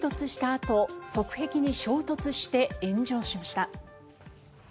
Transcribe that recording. あと側壁に衝突して炎上しました。